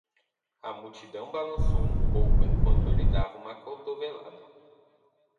A multidão balançou um pouco enquanto eu lhe dava uma cotovelada.